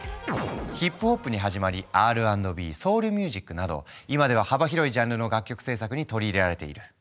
ヒップホップに始まりＲ＆Ｂソウルミュージックなど今では幅広いジャンルの楽曲制作に取り入れられている。